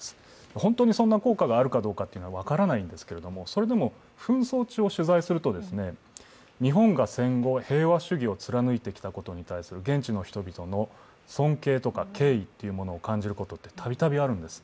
本当にそんな効果があるかどうかは分からないんですけど、それでも紛争地を取材すると、日本が戦後、平和主義を貫いてきたことに対する現地の人々の尊敬とか敬意を感じることがたびたびあるんです。